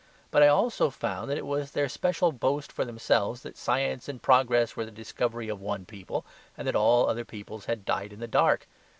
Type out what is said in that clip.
But I also found that it was their special boast for themselves that science and progress were the discovery of one people, and that all other peoples had died in the dark.